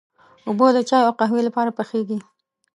اوبه د چايو او قهوې لپاره پخېږي.